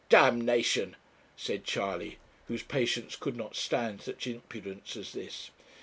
'D nation!' said Charley, whose patience could not stand such impudence at this.